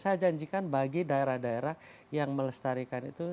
saya janjikan bagi daerah daerah yang melestarikan itu